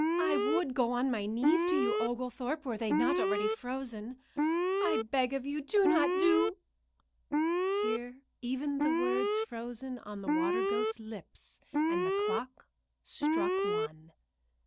I would go on my knees to you, Oglethorpe, were they not already frozen. I beg of you do not doo " Here even the words froze on the water ghost's lips and the clock struck one.